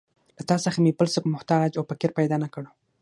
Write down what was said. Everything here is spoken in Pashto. له تا څخه مې بل څوک محتاج او فقیر پیدا نه کړ.